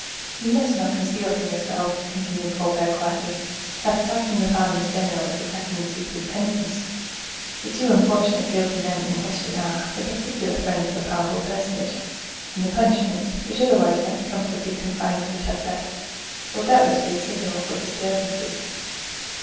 "You must not conceal from yourself," continued Colbert quietly, "that attacking the farmers general is attacking the superintendence. The two unfortunate guilty men in question are the particular friends of a powerful personage, and the punishment, which otherwise might be comfortably confined to the Chatlet, will doubtless be a signal for disturbances!"